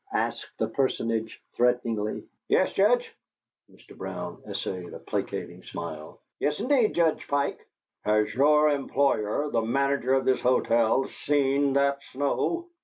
asked the personage, threateningly. "Yes, Judge." Mr. Brown essayed a placating smile. "Yes, indeed, Judge Pike." "Has your employer, the manager of this hotel, seen that snow?"